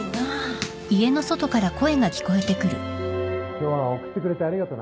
・今日は送ってくれてありがとな。